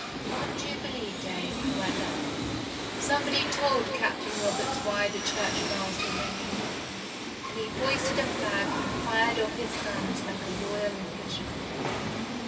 On Jubilee Day, however, somebody told Captain Roberts why the church bells were ringing, and he hoisted a flag and fired off his guns like a loyal Englishman.